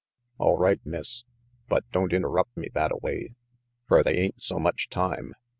"All right, Miss, but don't interrupt me thatta way, fer they ain't so much time.